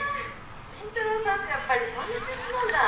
倫太郎さんってやっぱりそんな感じなんだ。